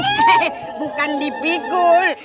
heheheh bukan dipigul